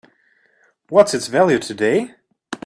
What's its value today?